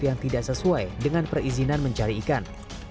yang tidak sesuai dengan perizinan mencari ikan